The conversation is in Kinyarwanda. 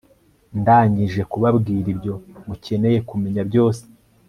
Ndangije kubabwira ibyo mukeneye kumenya byose